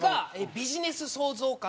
ビジネス創造科？